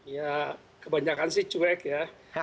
ya kebanyakan sih cuek ya